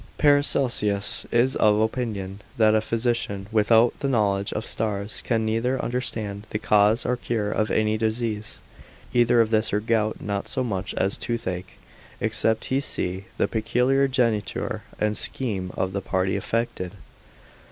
Paracelsus is of opinion, that a physician without the knowledge of stars can neither understand the cause or cure of any disease, either of this or gout, not so much as toothache; except he see the peculiar geniture and scheme of the party effected.